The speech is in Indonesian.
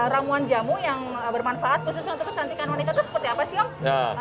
ramuan jamu yang bermanfaat khususnya untuk kecantikan wanita itu seperti apa sih om